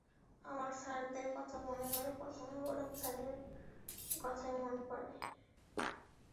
আমার স্যারদের কথা মনে হলে প্রথমে গোলাম হোসেন স্যারের কথাই মনে পড়ে।